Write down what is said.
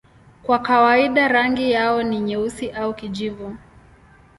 Kwa kawaida rangi yao ni nyeusi au kijivu.